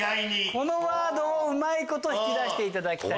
このワードをうまいこと引き出していただきたい。